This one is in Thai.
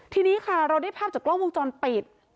ทีนี้ค่ะเราได้ภาพจากกล้องวงจรปิด